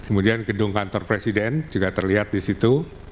kemudian gedung kantor presiden juga terlihat di situ